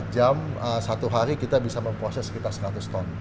empat jam satu hari kita bisa memproses sekitar seratus ton